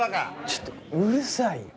ちょっとうるさいよ。